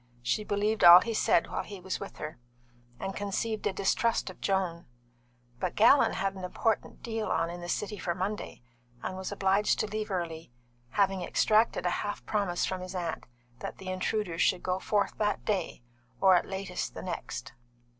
She believed all he said while he was with her, and conceived a distrust of Joan; but Gallon had an important deal on in the City for Monday, and was obliged to leave early, having extracted a half promise from his aunt that the intruder should go forth that day, or at latest the next.